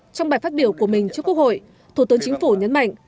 trong bài phát biểu của mình trước quốc hội thủ tướng chính phủ nhấn mạnh